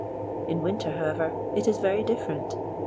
In winter, however, it is very different.